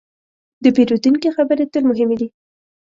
د پیرودونکي خبرې تل مهمې دي.